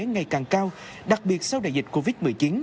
ngày càng cao đặc biệt sau đại dịch covid một mươi chín